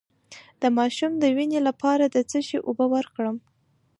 د ماشوم د وینې لپاره د څه شي اوبه ورکړم؟